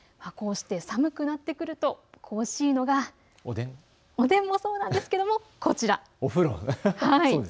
こうして寒くなってくると恋しいのがおでんもそうなんですけれどもお風呂。